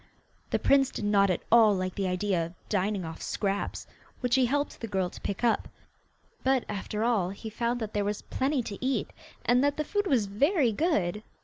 The prince did not at all like the idea of dining off scraps, which he helped the girl to pick up, but, after all, he found that there was plenty to eat, and that the food was very good.